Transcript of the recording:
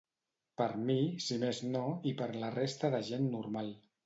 Per mi, si més no, i per la resta de gent normal.